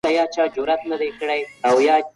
زه غواړم چي په یو لوی شرکت کي کار وکړم.